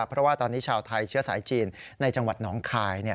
เพราะว่าตอนนี้ชาวไทยเชื้อสายจีนในจังหวัดหนองคาย